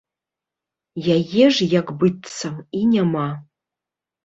Яе ж як быццам і няма!